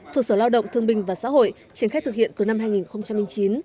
thuộc sở lao động thương binh và xã hội triển khai thực hiện từ năm hai nghìn chín